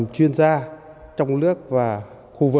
ở tầm chuyên gia trong nước và khu vực